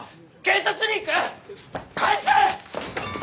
警察に行く！返せ！